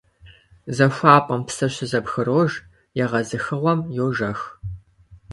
ЗахуапӀэм псыр щызэбгрож, егъэзыхыгъуэм — йожэх.